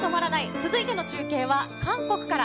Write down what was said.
続いての中継は韓国から。